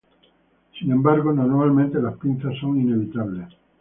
Sin embargo, normalmente las pinzas son inevitables.